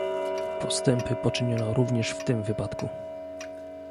Postępy poczyniono również w tym wypadku